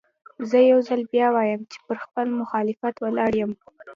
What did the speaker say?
زه يو ځل بيا وايم چې پر خپل مخالفت ولاړ يم.